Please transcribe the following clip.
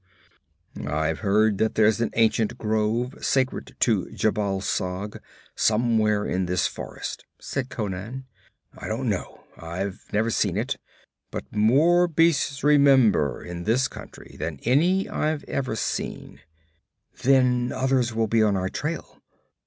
'I've heard that there's an ancient grove sacred to Jhebbal Sag somewhere in this forest,' said Conan. 'I don't know. I've never seen it. But more beasts remember in this country than any I've ever seen.' 'Then others will be on our trail?'